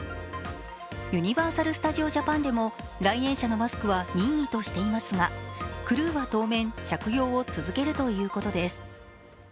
ユニバーサル・スタジオ・ジャパンでも来園者のマスクは任意としていますが、クルーは当面、着用を続けるということです。